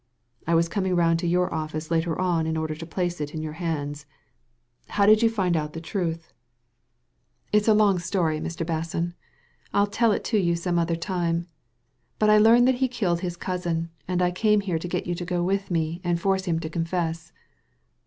I was coming round to your office later on in order to place it in your hands. How did you find out the truth?" Digitized by Google 260 THE LADY FROM NOWHERE It's a long story, Mr. Basson. I'll tell it to you some other time. But I learned that he killed his cousin, and I came here to get you to go with me» and force him to confess."